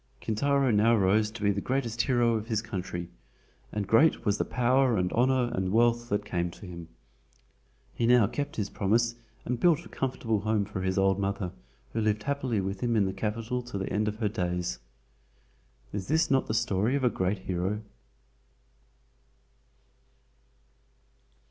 Kintaro now rose to be the greatest hero of his country, and great was the power and honor and wealth that came to him. He now kept his promise and built a comfortable home for his old mother, who lived happily with him in the Capital to the end of her days. Is not this the story of a great hero?